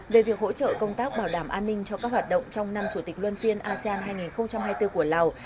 về việc hỗ trợ công tác bảo đảm an ninh cho các hoạt động trong năm chủ tịch luân phiên asean hai nghìn hai mươi bốn của lào